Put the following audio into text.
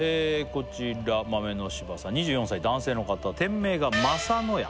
こちら豆の柴さん２４歳男性の方店名が政乃家